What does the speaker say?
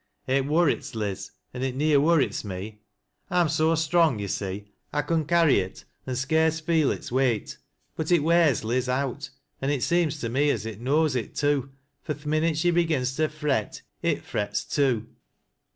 "It worrits Liz an' it neer worrits me. I'm so strong, yo' see, I con carry it, an' soarce feel its weight, but it wears Liz out, an' it seems to me as it knows it too, fur th' minute she begins to fret it frets too."